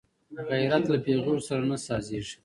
غیرت له پېغور سره نه سازېږي